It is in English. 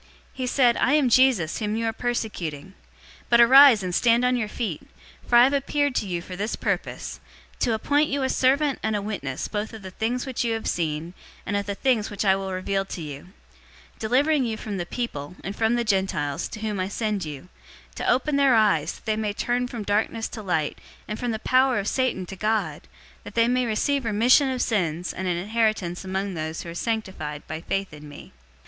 "He said, 'I am Jesus, whom you are persecuting. 026:016 But arise, and stand on your feet, for I have appeared to you for this purpose: to appoint you a servant and a witness both of the things which you have seen, and of the things which I will reveal to you; 026:017 delivering you from the people, and from the Gentiles, to whom I send you, 026:018 to open their eyes, that they may turn from darkness to light and from the power of Satan to God, that they may receive remission of sins and an inheritance among those who are sanctified by faith in me.'